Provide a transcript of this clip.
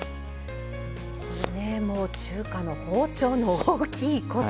このねもう中華の包丁の大きいこと。